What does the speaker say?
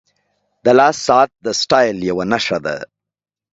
• د لاس ساعت د سټایل یوه نښه ده.